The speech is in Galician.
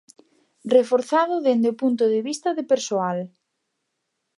Reforzado dende o punto de vista de persoal.